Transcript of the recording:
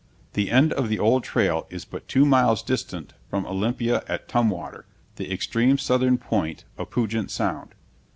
The end of the old trail is but two miles distant from Olympia at Tumwater, the extreme southern point of Puget Sound.